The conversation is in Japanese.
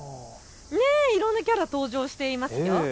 いろんなキャラ登場していますよ。